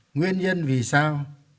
nguyên nhân vì sao